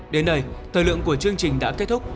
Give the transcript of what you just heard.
đến đây thời lượng của chương trình đã kết thúc